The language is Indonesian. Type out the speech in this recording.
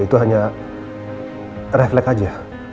itu hanya refleks aja